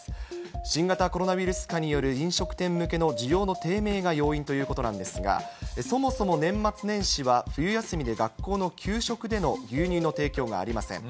新型コロナウイルス禍による飲食店向けの需要の低迷が要因ということなんですが、そもそも年末年始は、冬休みで学校の給食での牛乳の提供がありません。